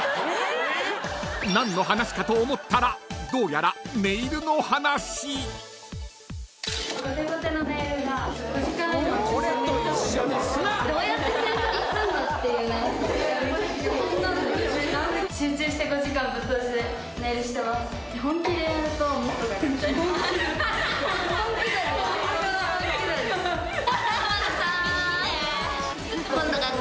［何の話かと思ったらどうやらネイルの話］今度。